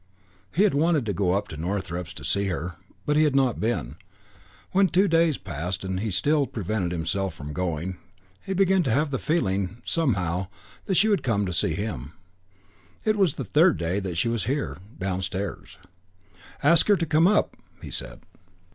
He had wanted to go up to Northrepps to see her, but he had not been. When two days passed and still he prevented himself from going, he began to have the feeling somehow that she would come to see him. It was the third day and she was here, downstairs. "Ask her to come up," he said.